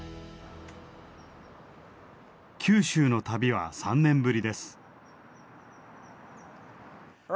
九州の旅は３年ぶりです。